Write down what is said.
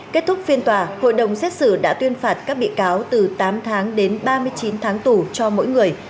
kết thúc phiên tòa hội đồng xét xử đã tuyên phạt các bị cáo từ tám tháng đến ba mươi chín tháng tù cho mỗi người